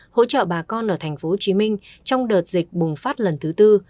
hỗ trợ bà con ở tp hcm trong đợt dịch bùng phát lần thứ tư